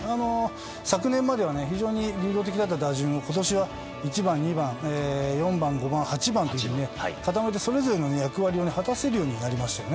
昨年までは非常に流動的だった打順を今年は１番、２番、４番、５番８番固めて、それぞれの役割を果たせるようになりましたよね。